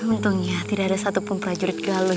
untungnya tidak ada satu pun pajurit galuh